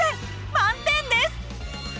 満点です。